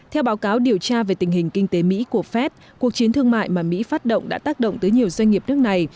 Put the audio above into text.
theo báo cáo điều tra về tình hình kinh tế mỹ của fed cuộc chiến thương mại mà mỹ phát động đã tác động tới nhiều doanh nghiệp nước này